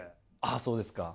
あそうですか。